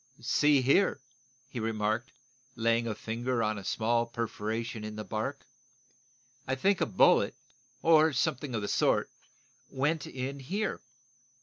"See here," he remarked, laying a finger on a small perforation in the bark, "I think a bullet, or something of the sort, went in here."